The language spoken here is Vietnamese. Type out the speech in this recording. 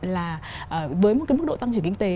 là với một cái mức độ tăng trưởng kinh tế